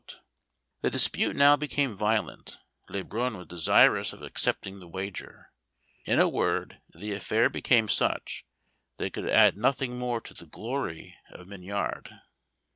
The dispute now became violent: Le Brun was desirous of accepting the wager. In a word, the affair became such that it could add nothing more to the glory of Mignard.